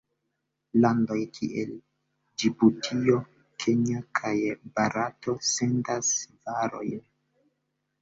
Landoj kiel Ĝibutio, Kenjo kaj Barato sendas varojn.